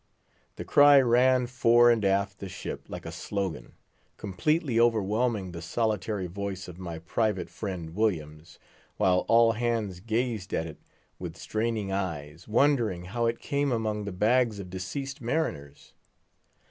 _" The cry ran fore and aft the ship like a slogan, completely overwhelming the solitary voice of my private friend Williams, while all hands gazed at it with straining eyes, wondering how it came among the bags of deceased mariners.